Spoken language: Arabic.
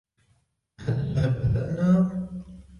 هلا بدأنا ؟